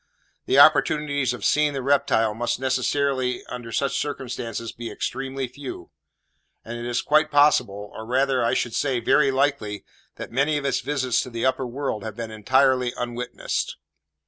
The opportunities of seeing the reptile must necessarily, under such circumstances, be extremely few; and it is quite possible, or rather I should say, very likely, that many of its visits to the upper world have been entirely unwitnessed.